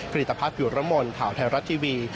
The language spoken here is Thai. ผลิตภาพอยู่รมลข่าวไทยรัฐทีวี